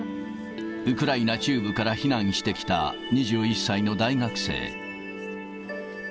ウクライナ中部から避難してきた２１歳の大学生。